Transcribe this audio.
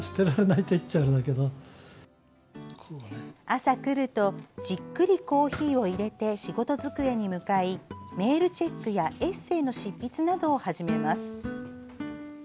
朝来るとじっくりコーヒーを入れて仕事机に向かいメールチェックやエッセーの執筆などを始めます。